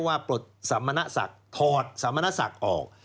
ว่าปลดสามณสักถอดสามณสักออก